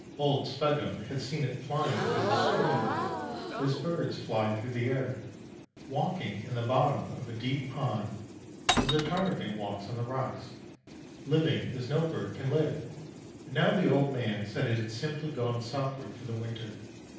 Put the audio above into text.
Old Sveggum had seen it flying through the stream, as birds fly through the air, walking in the bottom of a deep pond as a Ptarmigan walks on the rocks, living as no bird can live; and now the old man said it had simply gone southward for the winter.